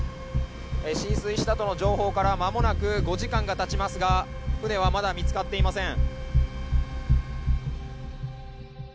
「浸水したとの情報からまもなく５時間が経ちますが船はまだ見つかっていません」